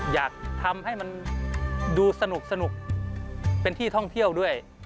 อยากทำให้มันดูสนุกเป็นที่ท่องเที่ยวด้วย